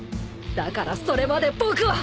だからそれまで僕は